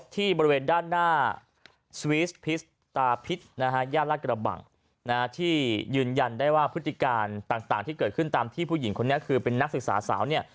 ต่างที่เกิดขึ้นตามที่ผู้หญิงคนนี้คือเป็นนักศึกษาสาวเนี่ย